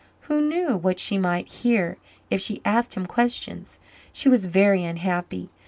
Who knew what she might hear if she asked him questions? She was very unhappy.